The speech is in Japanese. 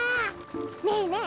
ねえねえ